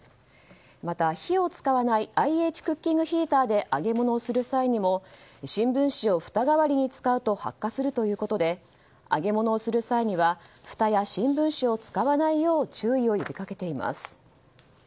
また火を使わないＩＨクッキングヒーターで揚げ物をする際にも新聞紙をふた代わりに使うと発火するということで揚げ物をする際にはふたや新聞紙を使わないよう注意を呼びかけています。